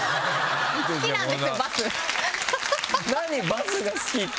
バスが好きって。